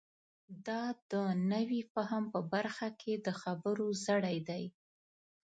دا د نوي فهم په برخه کې د خبرو زړی دی.